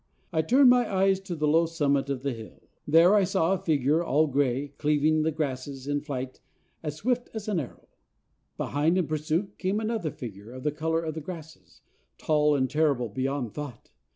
I turned my eyes to the low summit of the hill. There I saw a figure, all gray, cleaving the grasses in flight as swift as an arrow. Behind, in pursuit, came another figure, of the color of the grasses, tall and terrible beyond thought.